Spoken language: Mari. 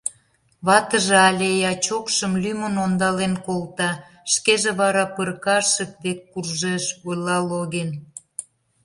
Ватыже але ячокшым лӱмын ондален колта, шкеже вара пыркашык дек куржеш, — ойла Логин.